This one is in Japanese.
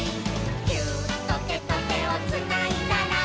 「ギューッとてとてをつないだら」